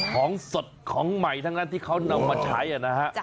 ของสดของใหม่ทั้งนั้นที่เขานำมาใช้นะฮะ